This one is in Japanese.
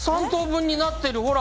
３等分になってる！